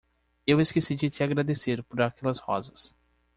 Eu esqueci de te agradecer por aquelas rosas.